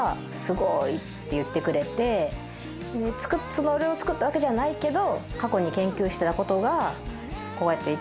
それを作ったわけじゃないけど。